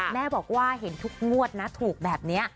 แม่บอกว่าเห็นทุกงวดนะถูกแบบนี้